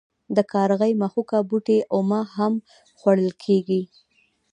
د کارغي مښوکه بوټی اومه هم خوړل کیږي.